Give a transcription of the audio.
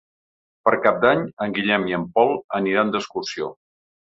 Per Cap d'Any en Guillem i en Pol aniran d'excursió.